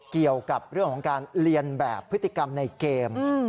เกี่ยวกับเรื่องของการเรียนแบบพฤติกรรมในเกม